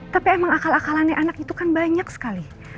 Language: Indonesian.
tapi emang akal akalannya anak itu kan banyak sekali